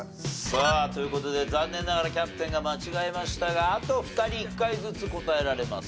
さあという事で残念ながらキャプテンが間違えましたがあと２人１回ずつ答えられます。